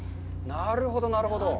なるほど、なるほど。